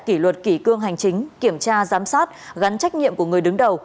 kỷ luật kỷ cương hành chính kiểm tra giám sát gắn trách nhiệm của người đứng đầu